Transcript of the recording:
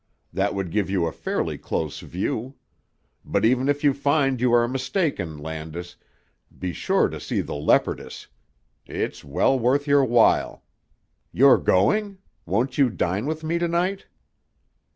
That would give you a fairly close view. But even if you find you are mistaken, Landis, be sure to see 'The Leopardess.' It's well worth your while. You're going? Won't you dine with me to night?"